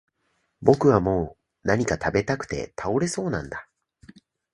僕はもう何か喰べたくて倒れそうなんだ